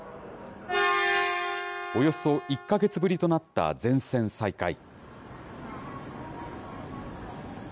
およそ１か月ぶりとなった全線再開。